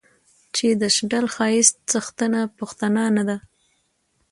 چې د شډل ښايست څښتنه پښتنه نه ده